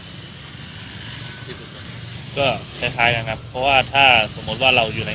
ก็คล้ายคล้ายกันครับเพราะว่าถ้าสมมติว่าเราอยู่ใน